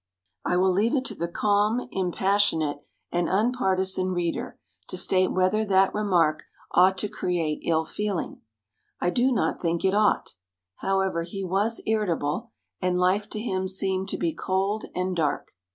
I will leave it to the calm, impassionate and unpartisan reader to state whether that remark ought to create ill feeling. I do not think it ought. However, he was irritable, and life to him seemed to be cold and dark.